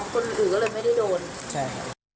อ๋อคนอื่นก็เลยไม่ได้โดนใช่